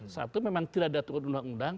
satu memang tidak ada turut undang undang